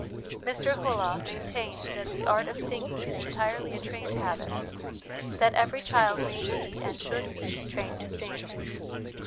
Mr Hullah maintained that the art of singing is entirely a trained habit that every child may be, and should be, trained to sing.